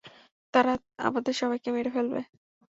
তারা আমাদের সবাইকে মেরে ফেলবে।